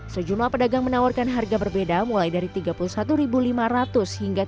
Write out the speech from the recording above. sejumlah pedagang menawarkan harga berbeda mulai dari rp tiga puluh satu lima ratus hingga rp tiga puluh tiga